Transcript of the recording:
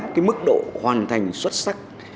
cái mức độ hoàn thành xuất sắc